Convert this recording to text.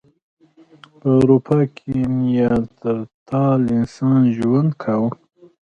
په اروپا کې نیاندرتال انسان ژوند کاوه.